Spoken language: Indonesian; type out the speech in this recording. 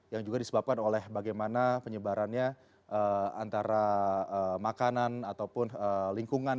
yang juga disebabkan oleh bagaimana penyebarannya antara makanan ataupun lingkungan